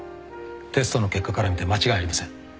テストの結果から見て間違いありません